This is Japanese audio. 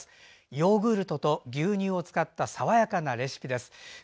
ヨーグルトと牛乳を使った爽やかなレシピです。